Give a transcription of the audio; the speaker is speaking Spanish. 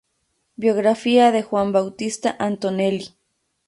Biografía de Juan Bautista Antonelli